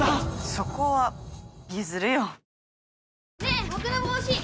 そこは譲るよ。